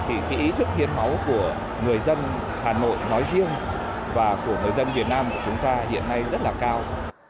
thì cái ý thức hiến máu của người dân hà nội nói riêng và của người dân việt nam của chúng ta hiện nay rất là cao